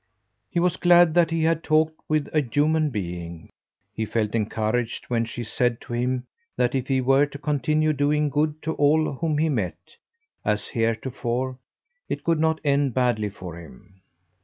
He was glad that he had talked with a human being. He felt encouraged when she said to him that if he were to continue doing good to all whom he met, as heretofore, it could not end badly for him.